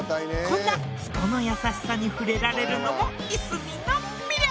こんな人の優しさに触れられるのもいすみの魅力！